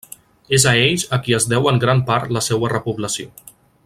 És a ells a qui es deu en gran part la seua repoblació.